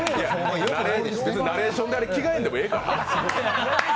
ナレーションで着替えんでもええから。